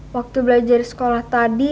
waktu belajar sekolah tadi